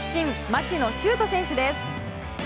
町野修斗選手です。